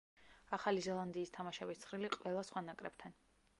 ახალი ზელანდიის თამაშების ცხრილი, ყველა სხვა ნაკრებთან.